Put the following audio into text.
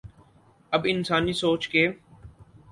اب انسانی سوچ کے